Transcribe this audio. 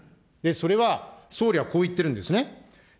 それは、総理はこう言ってるんですね。